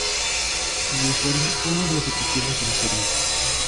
El vestuario fue uno de los atractivos de la serie.